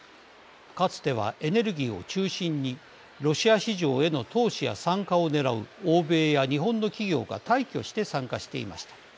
かつてはエネルギーを中心にロシア市場への投資や参加をねらう欧米や日本の企業が大挙して参加していました。